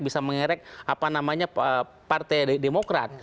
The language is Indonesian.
bisa mengerik partai demokrat